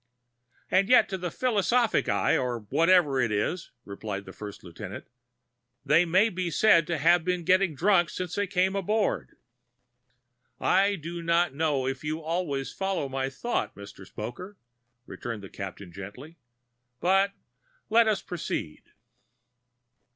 "And yet to the philosophic eye, or whatever it is," replied the first lieutenant, "they may be said to have been getting drunk since they came aboard." "I do not know if you always follow my thought, Mr. Spoker," returned the Captain gently. "But let us proceed."